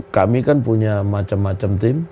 kami kan punya macam macam tim